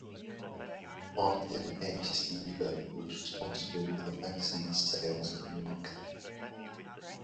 Martin A. Stever was responsible for the magazine's sales and marketing.